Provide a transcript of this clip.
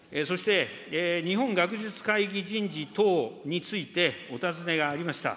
そして日本学術会議人事等についてお尋ねがありました。